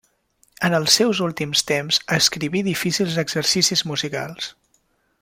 En els seus últims temps escriví difícils exercicis musicals.